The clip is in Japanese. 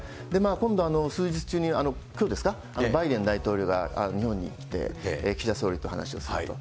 今度、数日中に、きょうですか、バイデン大統領が日本に来て、岸田総理と話をすると。